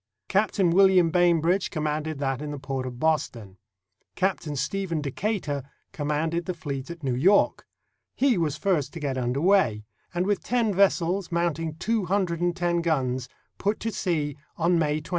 Captain William Bainbridge commanded that in the port of Boston. Captain Stephen Decatur commanded the fleet at New York. He was first to get under way, and with ten ves sels, mounting two hundred and ten guns, put to sea on May 20.